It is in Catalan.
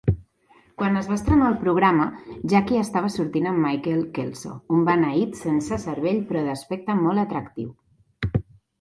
Quan es va estrenar el programa, Jackie estava sortint amb Michael Kelso, un beneït sense cervell però d'aspecte molt atractiu.